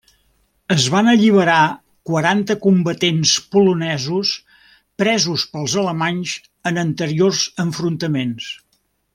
Es van alliberar quaranta combatents polonesos presos pels alemanys en anteriors enfrontaments.